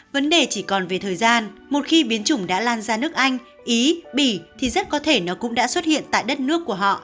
vấn đề chỉ còn về thời gian một khi biến chủng đã lan ra nước anh ý bỉ thì rất có thể nó cũng đã xuất hiện tại đất nước của họ